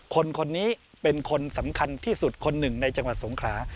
คนนี้เป็นคนสำคัญที่สุดคนหนึ่งในจังหวัดสงขลา